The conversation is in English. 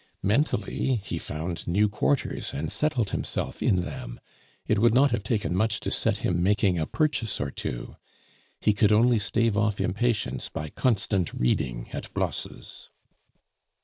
Mentally he found new quarters, and settled himself in them; it would not have taken much to set him making a purchase or two. He could only stave off impatience by constant reading at Blosse's.